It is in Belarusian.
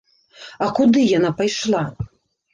А куды яна пайшла?